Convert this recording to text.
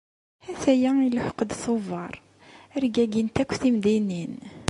Ha-t-aya iluḥeq-d tubeṛ rgagint akk temdinin.